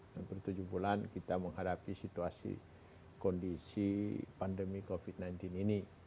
hampir tujuh bulan kita menghadapi situasi kondisi pandemi covid sembilan belas ini